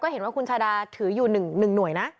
เห็นว่าคุณชาดาถืออยู่๑หน่วยนะ